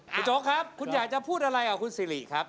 คุณโจ๊กครับคุณอยากจะพูดอะไรกับคุณสิริครับ